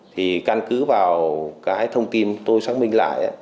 thì căn cứ vào cái thông tin tôi xác minh lại